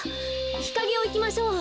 ひかげをいきましょう。